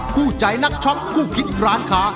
คู่ใจนักช็อคคู่คิดร้านค้า